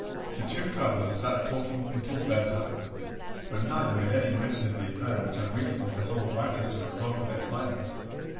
The two travellers sat talking until bedtime but neither made any mention of the affair which had recently set all Wrychester agog with excitement.